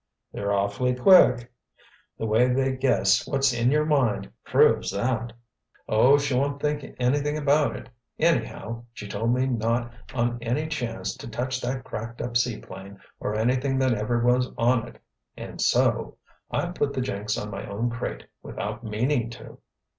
"They're awfully quick—the way they guess what's in your mind proves that." "Oh, she won't think anything about it. Anyhow, she told me not on any chance to touch that cracked up seaplane or anything that ever was on it—and so—I put the jinx on my own crate without meaning to."